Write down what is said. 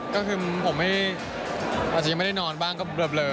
ก็คือผมอาจจะยังไม่ได้นอนบ้างก็เบลอ